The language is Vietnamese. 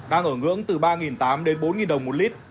đang ở ngưỡng từ ba tám trăm linh đến bốn đồng một lít